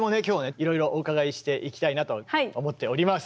いろいろお伺いしていきたいなと思っております。